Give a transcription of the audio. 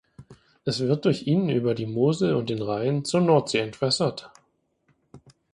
Es wird durch ihn über die Mosel und den Rhein zur Nordsee entwässert.